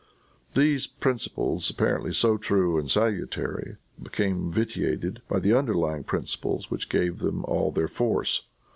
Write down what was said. These principles, apparently so true and salutary, became vitiated by the underlying of principles which gave them all their force.